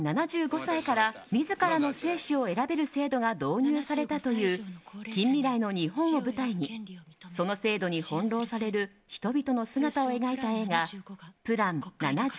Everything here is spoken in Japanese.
７５歳から自らの生死を選べる制度が導入されたという近未来の日本を舞台にその制度に翻弄される人々の姿を描いた映画「ＰＬＡＮ７５」。